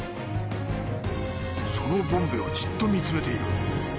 そのボンベをじっと見つめている。